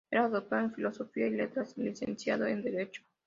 Era doctor en Filosofía y Letras y licenciado en Derecho.